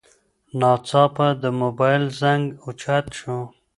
ناڅاپه د موبایل زنګ اوچت شو.